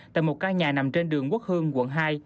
tại một căn nhà nằm trên đường quốc hương quận hai